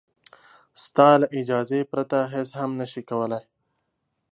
ستا له اجازې پرته هېڅ هم نه شي کولای.